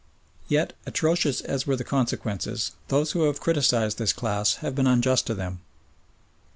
Yet, atrocious as were the consequences, those who have criticised this class have been unjust to them.